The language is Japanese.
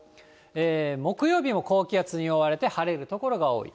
木曜日も高気圧に覆われて晴れる所が多い。